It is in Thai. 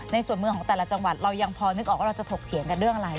ส่วนเมืองของแต่ละจังหวัดเรายังพอนึกออกว่าเราจะถกเถียงกันเรื่องอะไร